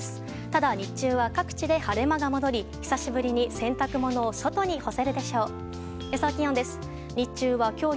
ただ日中は、各地で晴れ間が戻り久しぶりに洗濯物を外に干せるでしょう。